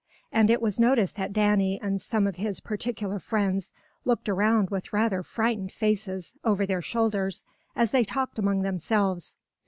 And it was noticed that Danny and some of his particular friends looked around with rather frightened faces, over their shoulders, as they talked among themselves.